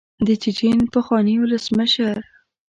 د چیچن پخواني ولسمشر.